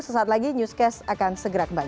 sesaat lagi newscast akan segera kembali